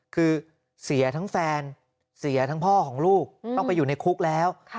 คือเสียทั้งแฟนเสียทั้งพ่อของลูกต้องไปอยู่ในคุกแล้ว